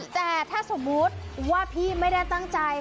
แต่ถ้าสมมุติว่าพี่ไม่ได้ตั้งใจ